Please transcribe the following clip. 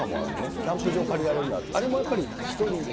キャンプ場借りられる。